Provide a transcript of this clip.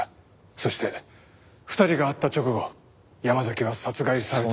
そして２人が会った直後山崎は殺害された。